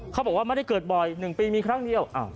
เขาบอกว่าไม่ได้เกิดบ่อย๑ปีมีครั้งเดียว